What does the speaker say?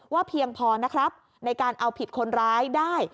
เพียงพอนะครับในการเอาผิดคนร้ายได้